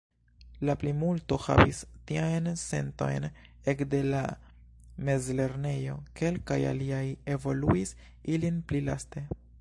La plimulto havis tiajn sentojn ekde la mezlernejo; kelkaj aliaj evoluis ilin pli laste.